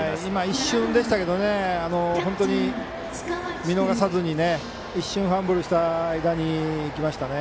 一瞬でしたけど本当に見逃さずに一瞬ファンブルした間に行きましたね。